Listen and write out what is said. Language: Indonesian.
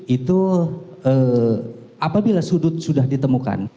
itu apabila sudut sudah ditemukan